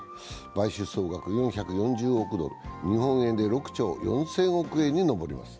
買収総額４４０億ドル、日本円で６兆４０００億円に上ります。